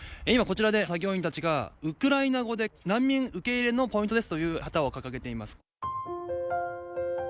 今、こちらで作業員たちがウクライナ語で、難民受け入れのポイントですという旗を掲げています。